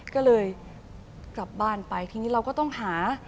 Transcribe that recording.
ก็เลยกลับบ้านไปทีนี้เราก็ต้องหา